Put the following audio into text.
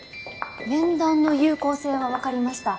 面談の有効性は分かりました。